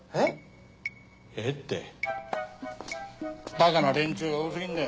バカな連中が多すぎんだよ。